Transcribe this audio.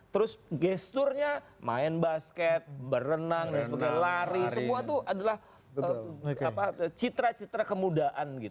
terus gesturnya main basket berenang lari semua itu adalah citra citra kemudahan gitu